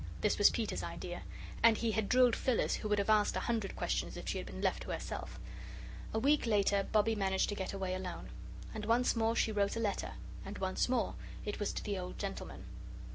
This was Peter's idea, and he had drilled Phyllis, who would have asked a hundred questions if she had been left to herself. A week later Bobbie managed to get away alone. And once more she wrote a letter. And once more it was to the old gentleman.